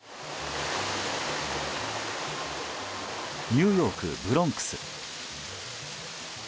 ニューヨーク・ブロンクス。